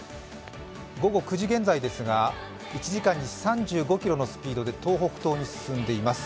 午後９時現在ですが１時間に３５キロのスピードで東北東に進んでいます。